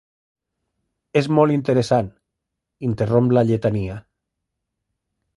És molt interessant —interromp la lletania—.